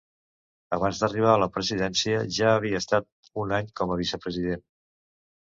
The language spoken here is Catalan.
Abans d'arribar a la presidència, ja havia estat un any com a vicepresident.